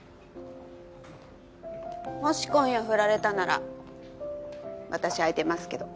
もし今夜振られたなら私空いてますけど。